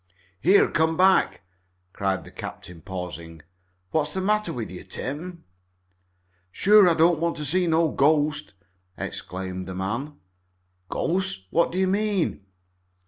"Here! Come back!" cried the captain, pausing. "What's the matter with you, Tim?" "Sure I don't want to meet no ghost!" exclaimed the man. "Ghost? What do you mean?"